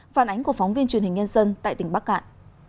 phản ánh của phóng viên truyền hình nhân dân tại tỉnh bắc cạn